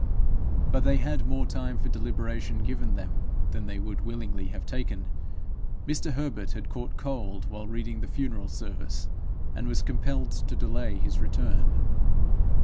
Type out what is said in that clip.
But they had more time for deliberation given them than they would willingly have taken. Mr. Herbert had caught cold while reading the funeral service, and was compelled to delay his return.